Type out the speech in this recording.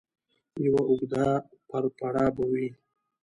یوه اوږده پړپړه به وي.